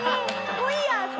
もういいやって？